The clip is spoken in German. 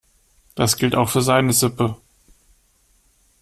Das gilt auch für seine Sippe.